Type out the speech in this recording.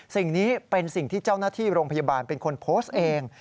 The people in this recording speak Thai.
สิ่งนี้เป็นสิ่งที่เจ้าหน้าที่โรงพยาบาลเป็นคนโพสต์เอง